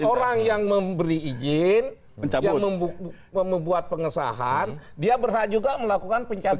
orang yang memberi izin yang membuat pengesahan dia berhak juga melakukan pencabutan